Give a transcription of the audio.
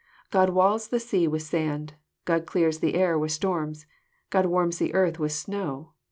God walls the sea with sand. God clears the air with storms. God warms the earth with snow.